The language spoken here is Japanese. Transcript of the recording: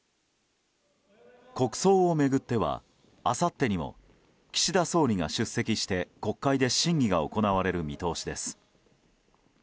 国葬を巡っては、あさってにも岸田総理が出席して国会で審議が行われる見通しです。